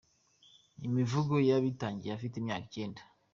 imivugo yabitangiye Afite imyaka icyenda.